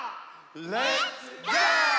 レッツゴー！